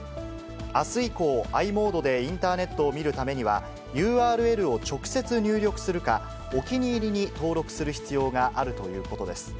あす以降、ｉモードでインターネットを見るためには、ＵＲＬを直接入力するか、お気に入りに登録する必要があるということです。